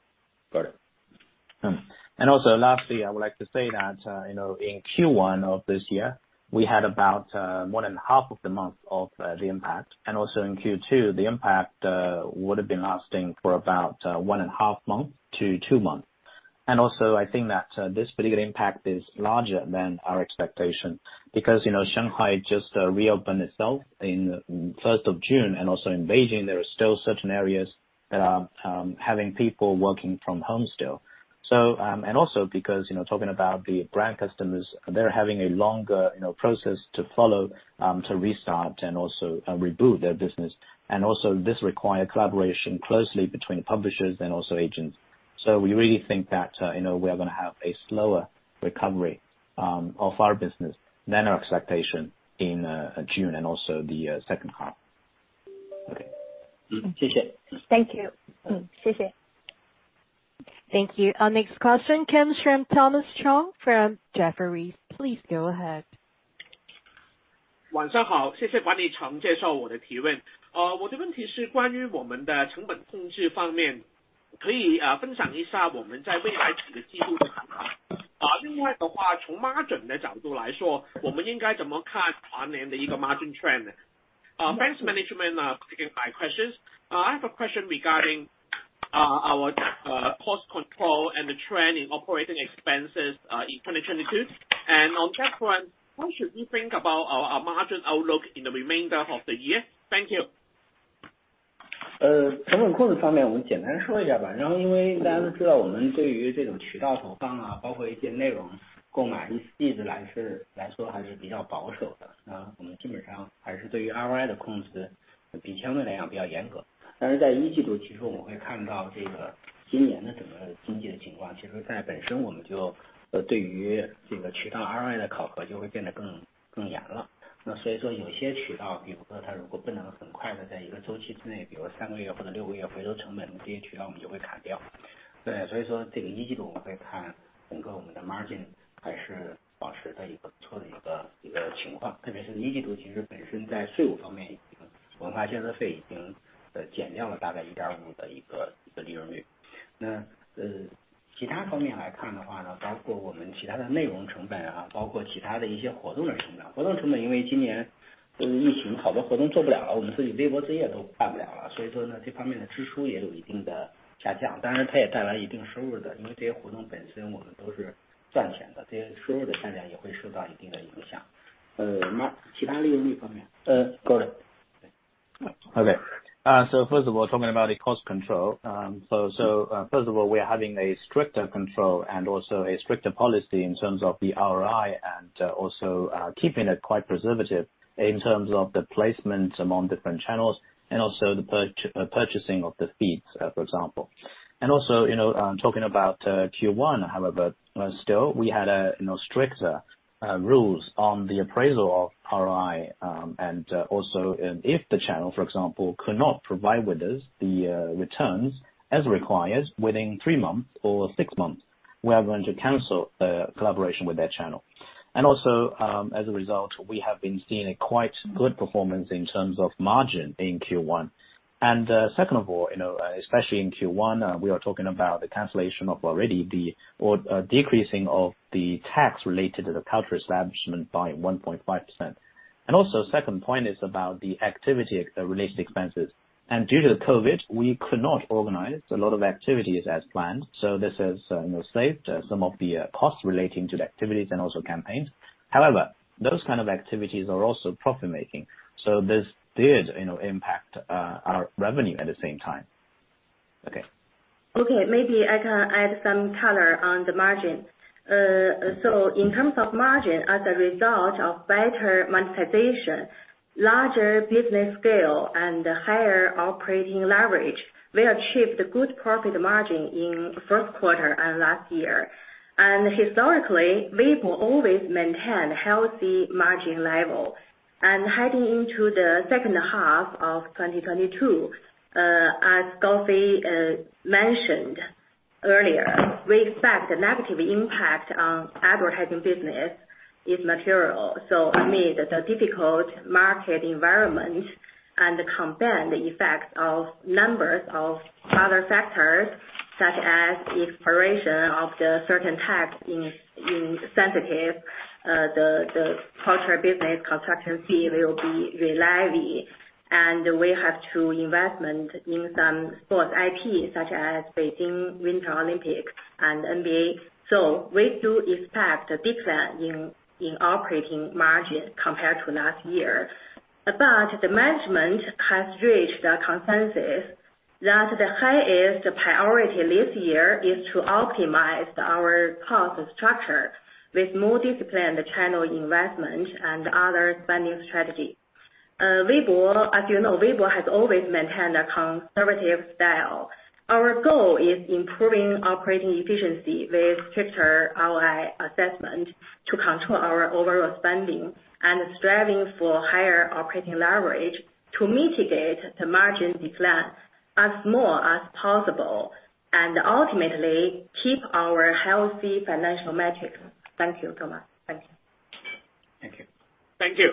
Also lastly, I would like to say that, you know, in Q1 of this year, we had about one and a half months of the impact. Also in Q2, the impact would have been lasting for about one and a half months to two months. Also, I think that this particular impact is larger than our expectation because, you know, Shanghai just reopened itself on 1st of June, and also in Beijing, there are still certain areas that are having people working from home still. Also because, you know, talking about the brand customers, they're having a longer, you know, process to follow to restart and also reboot their business. Also this requires close collaboration between publishers and also agents. We really think that, you know, we are going to have a slower recovery of our business than our expectation in June and also the second half. Okay. Thank you. Thank you. Our next question comes from Thomas Chong from Jefferies. Please go ahead. Thanks. Management are taking my questions. I have a question regarding our cost control and the trend in operating expenses in 2022. On that front, how should we think about our margin outlook in the remainder of the year? Thank you. Okay. First of all, talking about the cost control. First of all, we are having a stricter control and also a stricter policy in terms of the ROI and also keeping it quite conservative in terms of the placement among different channels and also the purchasing of the feeds, for example. You know, talking about Q1 however, still we had you know, stricter rules on the appraisal of ROI. Also if the channel, for example, could not provide with us the returns as required within three months or six months, we are going to cancel collaboration with that channel. As a result, we have been seeing a quite good performance in terms of margin in Q1. Second of all, you know, especially in Q1, we are talking about the decreasing of the tax related to the cultural business construction fee by 1.5%. Second point is about the activity-related expenses. Due to the COVID, we could not organize a lot of activities as planned. This has, you know, saved some of the costs relating to the activities and also campaigns. However, those kind of activities are also profit-making. This did, you know, impact our revenue at the same time. Okay. Okay. Maybe I can add some color on the margin. In terms of margin as a result of better monetization, larger business scale and higher operating leverage, we achieved a good profit margin in first quarter and last year. Historically, Weibo always maintain healthy margin level. Heading into the second half of 2022, as Gaofei mentioned earlier, we expect a negative impact on advertising business is material. Amid the difficult market environment and the combined effects of a number of other factors such as expiration of certain tax incentives, the cultural business construction fee will be reinstated and we have investments in some sports IP such as Beijing Winter Olympics and NBA. We do expect a decline in operating margin compared to last year. The management has reached a consensus that the highest priority this year is to optimize our cost structure with more disciplined channel investment and other spending strategy. Weibo, as you know, Weibo has always maintained a conservative style. Our goal is improving operating efficiency with stricter ROI assessment to control our overall spending, and striving for higher operating leverage to mitigate the margin decline as much as possible and ultimately keep our healthy financial metrics. Thank you, Thomas. Thank you. Thank you. Thank you.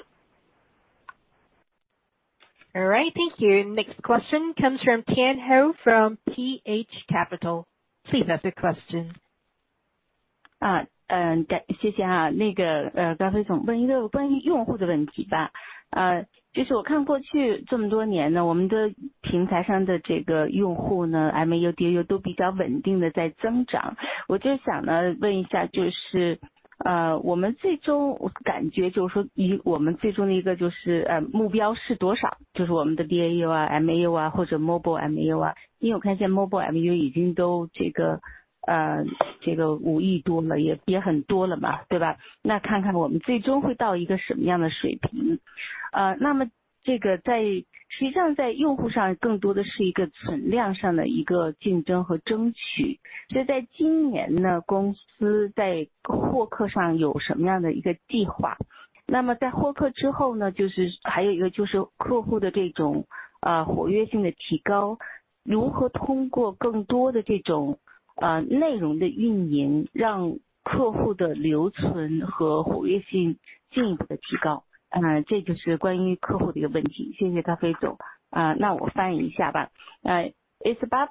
All right. Thank you. Next question comes from Tian Hou from T.H. Capital. Please ask your question. Uh, 这个五亿多了，也很多了嘛，对吧？那看看我们最终会到一个什么样的水平。那么这个在实际上在用户上更多的是一个存量上的一个竞争和争取。所以在今年呢，公司在获客上有什么样的一个计划？那么在获客之后呢，就是还有一个就是客户的这种活跃性的提高，如何通过更多的这种内容的运营，让客户的留存和活跃性进一步的提高，这就是关于客户的一个问题。谢谢曹辉总。那我翻译一下吧。It's about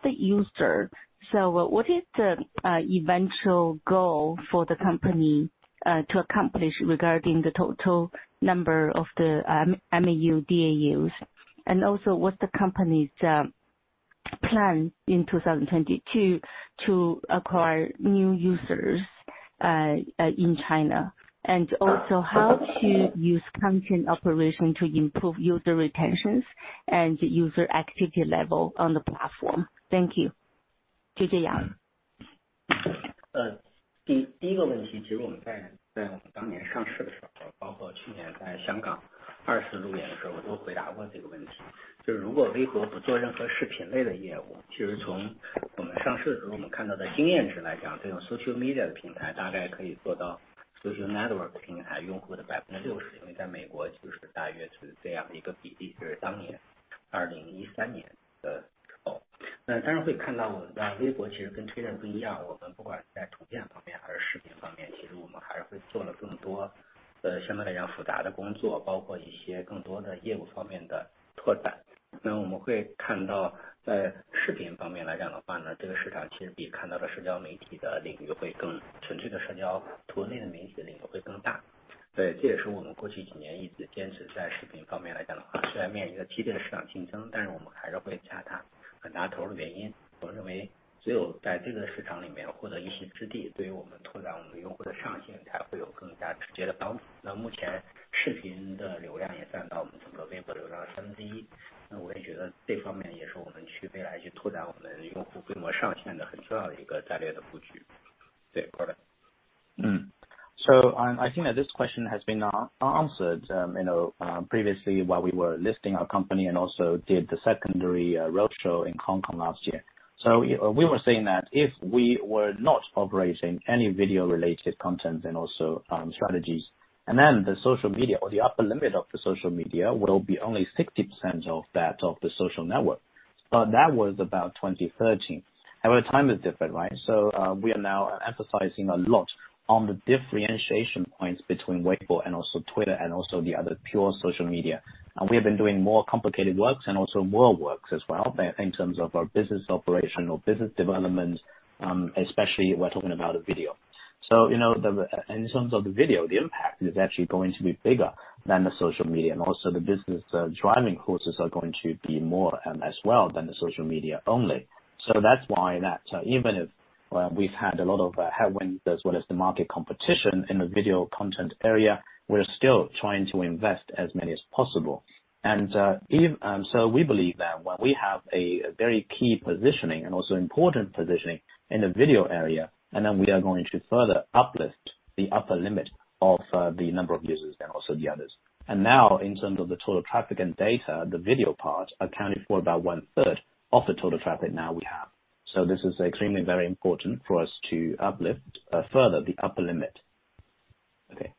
the user, so what is the eventual goal for the company to accomplish regarding the total number of the MAU, DAUs. What's the company's plan in 2022 to acquire new users in China? How to use content operation to improve user retentions and user activity level on the platform. Thank you. JJ Yang. 第一个问题，其实我们在，在我们当年上市的时候，包括去年在香港二次路演的时候，我都回答过这个问题，就是如果微博不做任何视频类的业务，其实从我们上市的时候我们看到的经验值来讲，这种social media的平台大概可以做到social network平台用户的60%，因为在美国就是大约是这样一个比例，就是当年2013年的时候。那当然会看到我们的微博其实跟Twitter不一样，我们不管在图片方面还是视频方面，其实我们还是会做了更多相对来讲复杂的工作，包括一些更多的业务方面的拓展。那我们会看到，在视频方面来讲的话呢，这个市场其实比看到的社交媒体的领域会更纯粹的社交图文类的媒体领域会更大。所以这也是我们过去几年一直坚持在视频方面来讲的话，虽然面临着激烈的市场竞争，但是我们还是会加大很大投入的原因。我认为只有在这个市场里面获得一些之地，对于我们拓展我们用户的上限才会有更加直接的帮助。那目前视频的流量也占到我们整个微博流量的三分之一，那我也觉得这方面也是我们去未来去拓展我们用户规模上限的很重要的一个战略的布局。对，Paul。I think this question has been answered, you know, previously while we were listing our company and also did the secondary road show in Hong Kong last year. We were saying that if we were not operating any video related content and also strategies, and then the social media or the upper limit of the social media will be only 60% of that of the social network. That was about 2013. However, time is different, right? We are now emphasizing a lot on the differentiation points between Weibo and also Twitter and also the other pure social media. We have been doing more complicated works and also more works as well in terms of our business operation or business development, especially we're talking about video. You know, in terms of the video, the impact is actually going to be bigger than the social media and also the business driving forces are going to be more as well than the social media only. That's why that even if we've had a lot of headwinds as well as the market competition in the video content area, we're still trying to invest as many as possible. Even so, we believe that when we have a very key positioning and also important positioning in the video area, and then we are going to further uplift the upper limit of the number of users and also the others. Now in terms of the total traffic and data, the video part accounting for about one third of the total traffic now we have. This is extremely very important for us to uplift further the upper limit. Okay.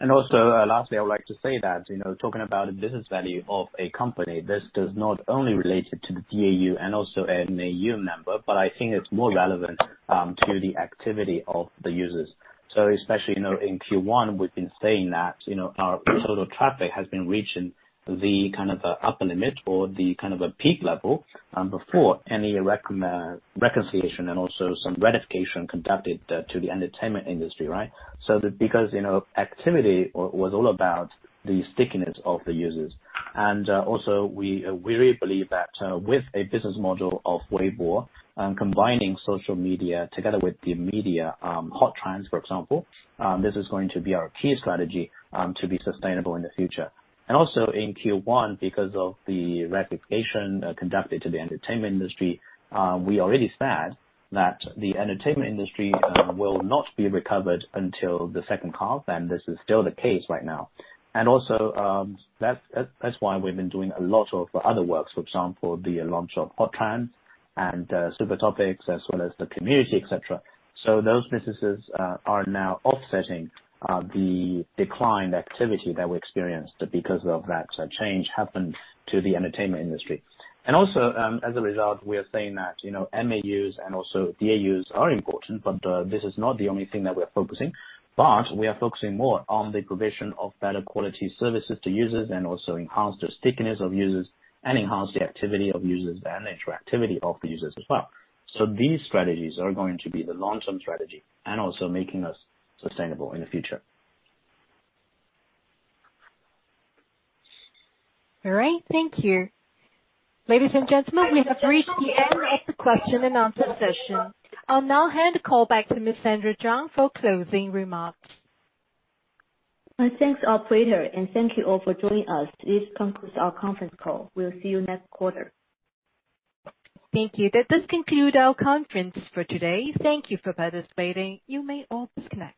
Also lastly, I would like to say that, you know, talking about the business value of a company, this does not only related to the DAU and also MAU number, but I think it's more relevant to the activity of the users. Especially, you know, in Q1, we've been saying that, you know, our total traffic has been reaching the kind of upper limit or the kind of a peak level before any reconciliation and also some ratification conducted to the entertainment industry, right? That because you know, activity was all about the stickiness of the users. Also we really believe that with a business model of Weibo combining social media together with the media, hot trends, for example, this is going to be our key strategy to be sustainable in the future. In Q1, because of the rectification conducted to the entertainment industry, we already said that the entertainment industry will not be recovered until the second half, and this is still the case right now. That's why we've been doing a lot of other works. For example, the launch of hot trends and super topics as well as the community, etc. Those businesses are now offsetting the declined activity that we experienced because of that change happened to the entertainment industry. As a result, we are saying that, you know, MAUs and also DAUs are important, but this is not the only thing that we are focusing, but we are focusing more on the provision of better quality services to users and also enhance the stickiness of users and enhance the activity of users and interactivity of the users as well. These strategies are going to be the long term strategy and also making us sustainable in the future. All right. Thank you. Ladies and gentlemen, we have reached the end of the question and answer session. I'll now hand the call back to Ms. Sandra Zhang for closing remarks. Thanks operator, and thank you all for joining us. This concludes our conference call. We'll see you next quarter. Thank you. That does conclude our conference for today. Thank you for participating. You may all disconnect.